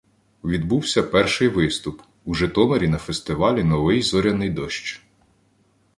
відбувся перший виступ — у Житомирі на фестивалі «Новий зоряний дощ».